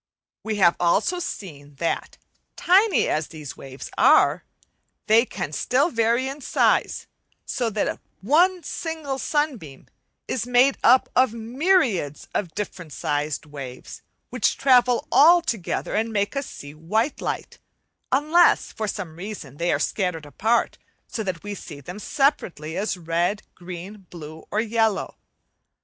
We have also seen that, tiny as these waves are, they can still vary in size, so that one single sunbeam is made up of myriads of different sized waves, which travel all together and make us see white light; unless for some reason they are scattered apart, so that we see them separately as red, green, blue, or yellow.